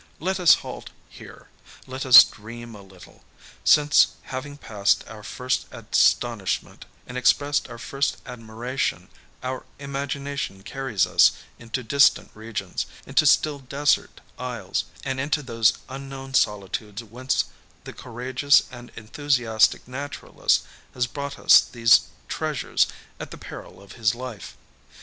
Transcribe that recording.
Let us halt here, let us dream a little, since having passed our first astonishment and expressed our first admiration, our imagination carries us into distant regions, into still desert isles, and into those unknown solitudes whence the courageous and enthusiastic naturalist has brought us these treasures at the peril of his life.